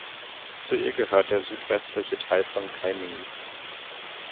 Zu ihr gehört der südwestliche Teil von Kainuu.